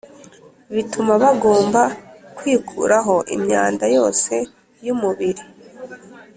bituma bagomba kwikuraho imyanda yose y umubiri